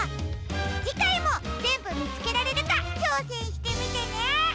じかいもぜんぶみつけられるかちょうせんしてみてね！